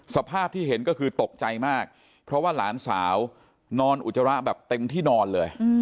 สภาพที่เห็นก็คือตกใจมากเพราะว่าหลานสาวนอนอุจจาระแบบเต็มที่นอนเลย